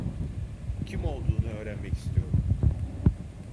Kim olduğunu öğrenmek istiyorum.